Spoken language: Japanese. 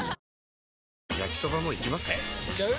えいっちゃう？